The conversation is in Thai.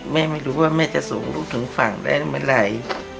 แม่ไม่รู้ว่าจะส่งลูกถึงฝั่งได้เมื่อไร